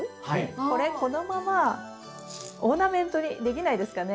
これこのままオーナメントにできないですかね？